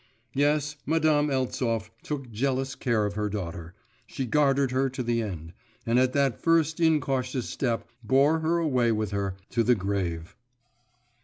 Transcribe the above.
Yes, Madame Eltsov took jealous care of her daughter. She guarded her to the end, and at the first incautious step bore her away with her to the grave!